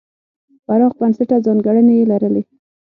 پراخ بنسټه ځانګړنې یې لرلې.